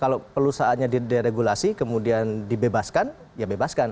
kalau perlu saatnya diregulasi kemudian dibebaskan ya bebaskan